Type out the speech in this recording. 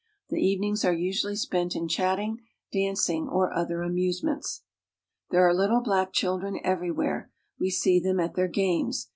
The evenings are usually spent in chatting, dancing, or other amusements. There are little black children everywhere. We see them at their games.